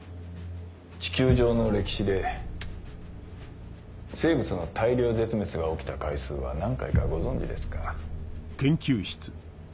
地球上の歴史で生物の大量絶滅が起きた回数は何回かご存じですか？